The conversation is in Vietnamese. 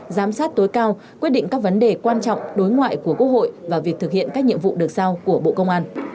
giám sát tối cao quyết định các vấn đề quan trọng đối ngoại của quốc hội và việc thực hiện các nhiệm vụ được sao của bộ công an